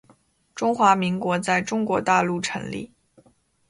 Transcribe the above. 中华民国在中国大陆成立